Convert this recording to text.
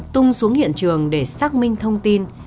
tung xuống hiện trường để xác minh thông tin